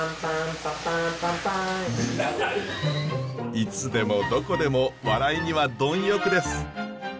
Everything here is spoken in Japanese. いつでもどこでも笑いには貪欲です。